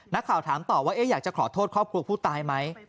นักข่าวถามต่อว่าอยากจะขอโทษครอบครัวผู้ตายไหม